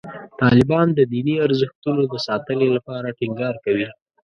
طالبان د دیني ارزښتونو د ساتنې لپاره ټینګار کوي.